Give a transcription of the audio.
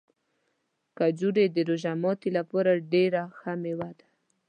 کجورې د روژه ماتي لپاره ډېره ښه مېوه ده.